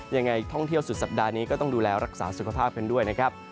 ยังไงท่องเที่ยวสุดสัปดาห์นี้ก็ต้องดูแลรักษาสุขภาพกันด้วยนะครับ